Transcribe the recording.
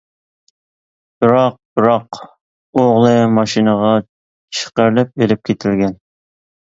بىراق. بىراق ئوغلى ماشىنىغا چىقىرىلىپ ئېلىپ كېتىلگەن.